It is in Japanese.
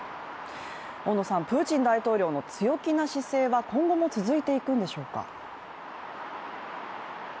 プーチン大統領の強気な姿勢は今後も続いていくんでしょうか。